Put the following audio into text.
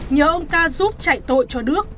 nhờ ông ca giúp chạy tội cho đức